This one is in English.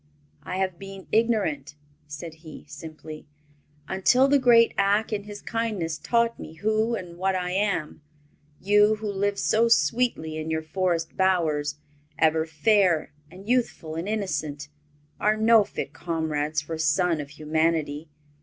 "I have been ignorant," said he, simply, "until the great Ak in his kindness taught me who and what I am. You, who live so sweetly in your forest bowers, ever fair and youthful and innocent, are no fit comrades for a son of humanity.